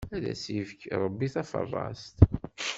Ad ak-ifk, Ṛebbi taferrast!